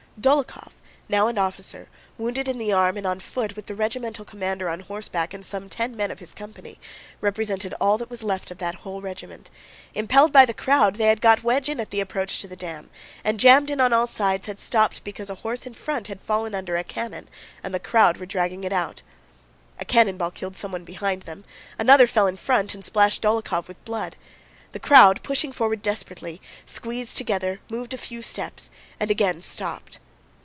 Dólokhov—now an officer—wounded in the arm, and on foot, with the regimental commander on horseback and some ten men of his company, represented all that was left of that whole regiment. Impelled by the crowd, they had got wedged in at the approach to the dam and, jammed in on all sides, had stopped because a horse in front had fallen under a cannon and the crowd were dragging it out. A cannon ball killed someone behind them, another fell in front and splashed Dólokhov with blood. The crowd, pushing forward desperately, squeezed together, moved a few steps, and again stopped.